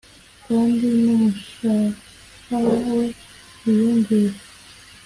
kandi n’umushahara we wiyongere,